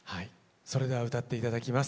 それでは歌って頂きます。